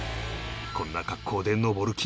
こんな格好で登る気なのか？